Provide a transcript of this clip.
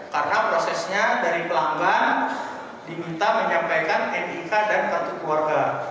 karena prosesnya dari pelanggan diminta menyampaikan etika dan kartu keluarga